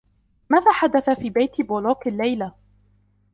ماذا حدث في بيت بولوك الليلة ؟